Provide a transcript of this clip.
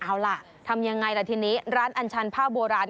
เอาล่ะทำยังไงล่ะทีนี้ร้านอัญชันผ้าโบราณ